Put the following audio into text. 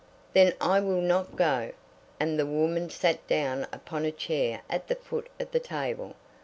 "Then I will not go;" and the woman sat down upon a chair at the foot of the table.